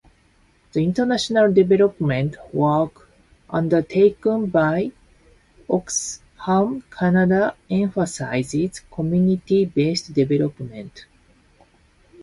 The international development work undertaken by Oxfam Canada emphasizes community-based development.